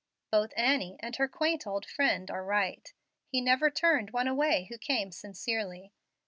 Both Annie and her quaint old friend are right. He never turned one away who came sincerely.